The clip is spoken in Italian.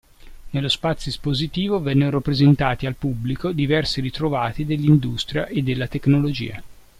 Nello spazio espositivo vennero presentati al pubblico diversi ritrovati dell'industria e della tecnologia.